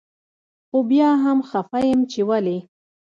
خو بيا هم خپه يم چي ولي